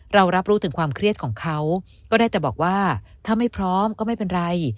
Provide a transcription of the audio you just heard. เรารับรู้ถึงความเครียดของเขาก็ได้แต่บอกว่าถ้าไม่พร้อมก็ไม่เป็นไร